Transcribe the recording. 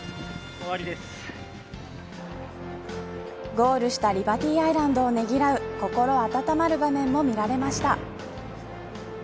ゴールしたリバティアイランドをねぎらう心温まる場面も見られました。